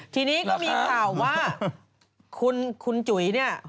ทีนี้ก็มีข่าวว่าคุณจุ๋ยเนี่ย